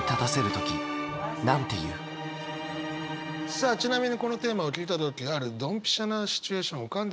さあちなみにこのテーマを聞いた時あるドンピシャなシチュエーション浮かんできました。